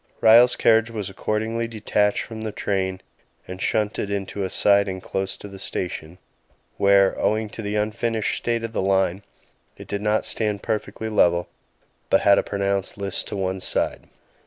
Ryall's carriage was accordingly detached from the train and shunted into a siding close to the station, where, owing to the unfinished state of the line, it did not stand perfectly level, but had a pronounced list to one side.